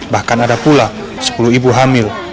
bahkan ada pula sepuluh ibu hamil